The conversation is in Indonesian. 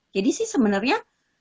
jadi sih sebenarnya